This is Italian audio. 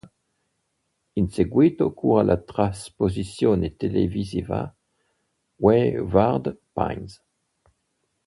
In seguito cura la trasposizione televisiva "Wayward Pines".